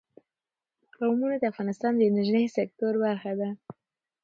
قومونه د افغانستان د انرژۍ سکتور برخه ده.